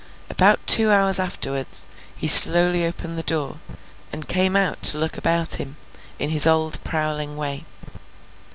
About two hours afterwards, he slowly opened the door, and came out to look about him, in his old prowling way.